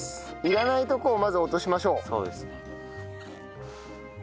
いらないとこをまず落としましょう。